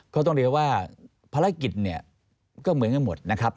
ก็ต้องเรียกว่าภารกิจเนี่ยก็เหมือนกันหมดนะครับ